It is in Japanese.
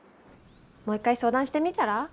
もう一回相談してみたら？